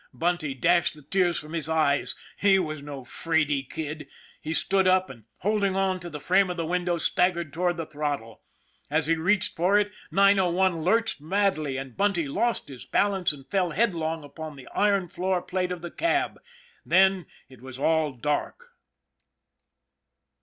Bunty dashed the tears from his eyes; he was no " fraidy " kid. He stood up, and holding on to the frame of the window, staggered toward the throttle. As he reached for it, 901 lurched madly, and Bunty lost his balance and fell headlong upon the iron floor plate of the cab. Then it was all dark.